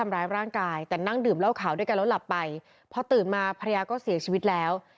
เมื่อตื่นมาพระยาก็เสียชีวิตแล้ว